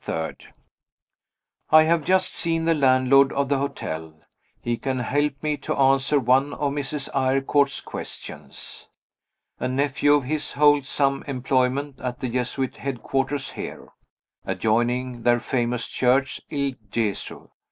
I have just seen the landlord of the hotel; he can help me to answer one of Mrs. Eyrecourt's questions. A nephew of his holds some employment at the Jesuit headquarters here, adjoining their famous church Il Gesu.